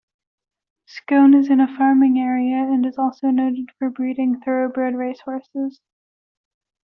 Scone is in a farming area and is also noted for breeding Thoroughbred racehorses.